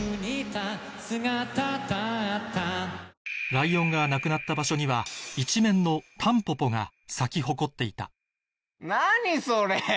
ライオンが亡くなった場所には一面のタンポポが咲き誇っていた何それ。